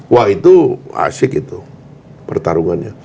wah itu asik itu pertarungannya